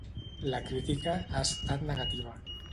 La crítica ha estat negativa.